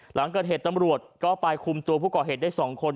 หลังจากเฮดตำรวจก็ไปคุมตัวภูเกาะเฮดได้สองคน